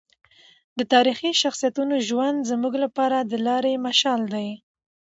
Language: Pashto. د تاریخي شخصیتونو ژوند زموږ لپاره د لارې مشال دی.